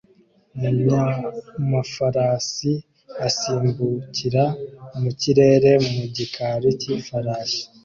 Umunyamafarasi asimbukira mu kirere mu gikari cy'ifarashi